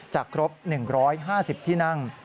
ครบ๑๕๐ที่นั่ง